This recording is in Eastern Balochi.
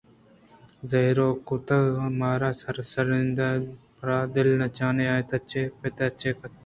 زہر ءُ کُنّت مارے ءِ سرانندان ءُ پرلچّان ءَ آئے تِج پہ تِج کُت